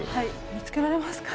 見つけられますか？